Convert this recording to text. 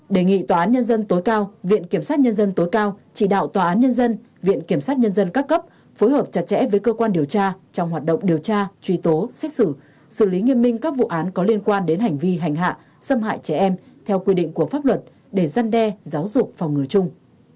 đề nghị tòa án nhân dân tối cao viện kiểm sát nhân dân tối cao chỉ đạo tòa án nhân dân viện kiểm sát nhân dân các cấp phối hợp chặt chẽ với cơ quan điều tra trong hoạt động điều tra truy tố xét xử xử lý nghiêm minh các vụ án có liên quan đến hành vi hành hạ xâm hại trẻ em theo quy định của pháp luật để gian đe giáo dục phòng ngừa chung